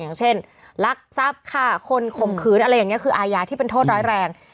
อย่างเช่นลักทรัพย์ฆ่าคนข่มขืนอะไรอย่างนี้คืออาญาที่เป็นโทษร้ายแรง